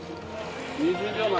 ２０秒前。